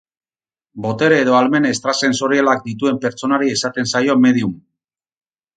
Botere edo ahalmen estrasensorialak dituen pertsonari esaten zaio medium.